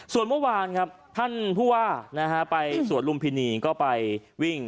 ส่วนเมื่อวานครับท่านผู้ว่าไปสวนลุมพินีก็ไปวิ่ง